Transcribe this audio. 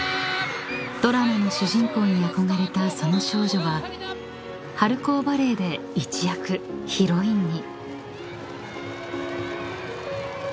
［ドラマの主人公に憧れたその少女は春高バレーで一躍ヒロインに］